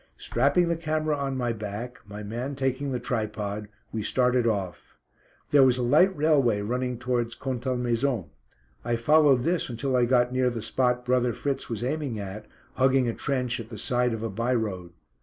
Strapping the camera on my back, my man taking the tripod, we started off. There was a light railway running towards Contalmaison. I followed this until I got near the spot brother Fritz was aiming at, hugging a trench at the side of a by road.